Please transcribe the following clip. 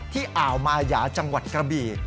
อ่าวมายาจังหวัดกระบี่